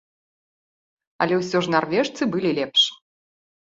Але ўсё ж нарвежцы былі лепш.